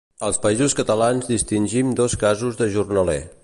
Als Països Catalans distingim dos casos de jornaler.